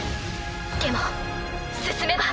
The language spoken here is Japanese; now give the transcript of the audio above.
でも進めば。